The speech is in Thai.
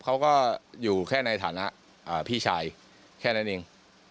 เขาก็อยู่แค่ในฐานะพี่ชายแค่นั้นเอง